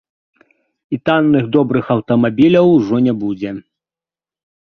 І танных добрых аўтамабіляў ужо не будзе.